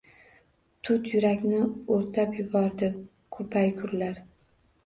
Tut yurakni o‘rtab yuboradi, ko‘paygurlar.